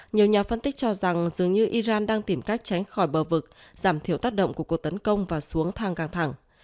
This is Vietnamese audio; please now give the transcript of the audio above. nhiều nhà phân tích cho rằng dường như iran đang tìm cách tránh khỏi bờ vực giảm thiểu tác động của cuộc tấn công và xuống thang căng thẳng